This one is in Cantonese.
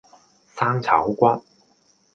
生炒骨